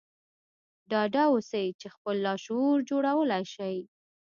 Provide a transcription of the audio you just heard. ډاډه اوسئ چې خپل لاشعور جوړولای شئ